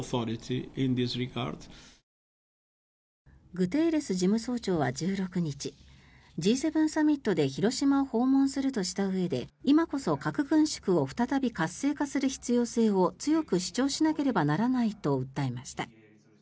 グテーレス事務総長は１６日Ｇ７サミットで広島を訪問するとしたうえで今こそ核軍縮を再び活性化する必要性を強く主張しなければならないと訴えました。